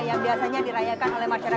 yang biasanya dirayakan